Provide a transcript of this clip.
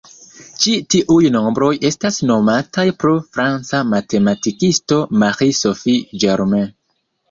Ĉi tiuj nombroj estas nomataj pro franca matematikisto Marie-Sophie Germain.